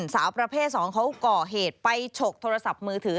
สาวประเภท๒เขาก่อเหตุไปฉกโทรศัพท์มือถือ